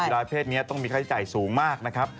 รายเพศนี้ต้องมีค่าใช้จ่ายสูงมากนะครับ